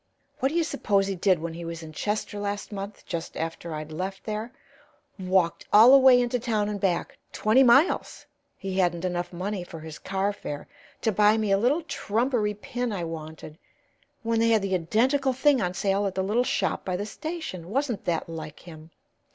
What do you suppose he did when he was in Chester last month, just after I'd left there? Walked all the way into town and back, twenty miles he hadn't enough money for his car fare to buy me a little trumpery pin I wanted, when they had the identical thing on sale at the little shop by the station! Wasn't that like him?